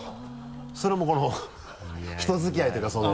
それはもうこの人付き合いというかその。